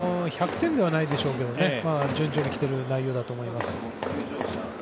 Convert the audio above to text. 本人的には１００点ではないでしょうけど順調に来ている内容だと思います。